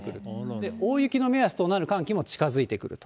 で、大雪の目安となる寒気も近づいてくると。